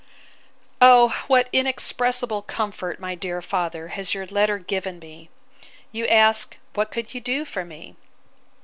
O what inexpressible comfort, my dear father, has your letter given me!—You ask, What can you do for me?